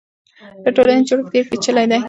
د ټولنې جوړښت ډېر پېچلی دی.